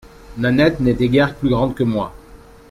Nanette n’était guère plus grande que moi.